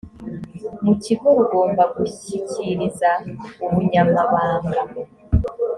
mu kigo rugomba gushyikiriza ubunyamabanga